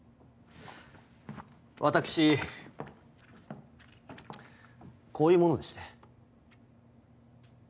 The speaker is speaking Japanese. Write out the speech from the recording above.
私こういう者でして。